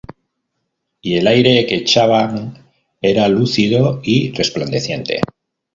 Y el aire que echaban era lúcido y resplandeciente.